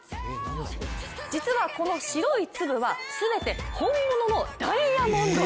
実は、この白い粒は全て本物のダイヤモンド。